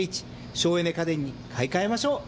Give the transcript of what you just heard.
省エネ家電に買い替えましょう。